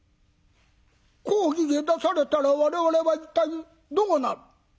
公儀へ出されたら我々は一体どうなる？」。